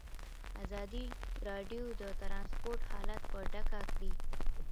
ازادي راډیو د ترانسپورټ حالت په ډاګه کړی.